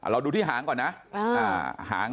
เราดูที่หางก่อนนะ